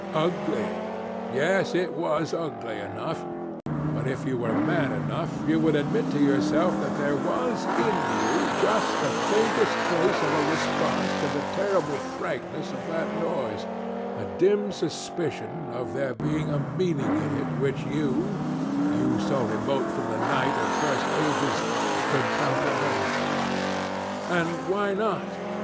Ugly. Yes, it was ugly enough; but if you were man enough you would admit to yourself that there was in you just the faintest trace of a response to the terrible frankness of that noise, a dim suspicion of there being a meaning in it which you you so remote from the night of first ages could comprehend. And why not?